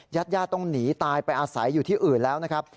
ญาติญาติต้องหนีตายไปอาศัยอยู่ที่อื่นแล้วนะครับ